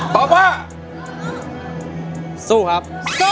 ตอบว่าสู้ครับ